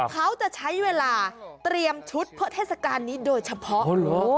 เขาจะใช้เวลาเตรียมชุดเพื่อเทศกาลนี้โดยเฉพาะ